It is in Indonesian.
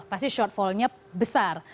pasti shortfallnya besar